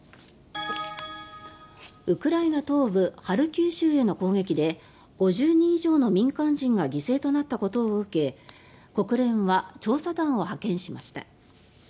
ウクライナ東部ハルキウ州への攻撃で５０人以上の民間人が犠牲となったことを受け国連は調査団を派遣しました。